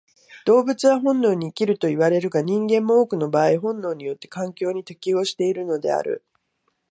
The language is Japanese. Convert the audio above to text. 動物は本能に生きるといわれるが、人間も多くの場合本能によって環境に適応しているのである。